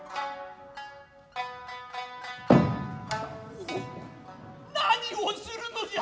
おっ何をするのじゃ。